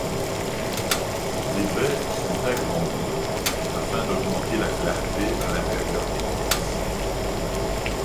Les baies sont agrandies afin d'augmenter la clarté à l'intérieur des pièces.